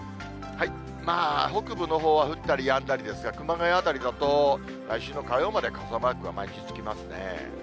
まあ、北部のほうは降ったりやんだりですが、熊谷辺りだと、来週の火曜まで傘マークが毎日つきますね。